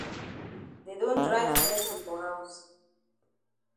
Dey don drive Mercy for haus.